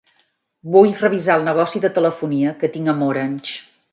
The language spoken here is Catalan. Vull revisar el negoci de telefonia que tinc amb Orange.